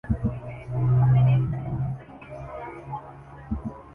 ممبئی دسمبرایجنسی Bollywood اداکارہ نرگس فخری نے انوشکا شرما کو سخت تنقید کا نشانہ بنایا ہے